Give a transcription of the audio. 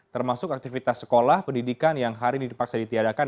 termasuk aktivitas sekolah pendidikan yang hari ini dipaksa ditiadakan